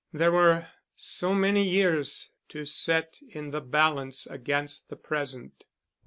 There were so many years to set in the balance against the present.